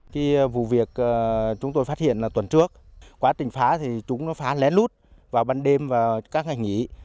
khi vụ việc chúng tôi phát hiện tuần trước quá trình phá thì chúng nó phá lén lút vào ban đêm và các hành nghỉ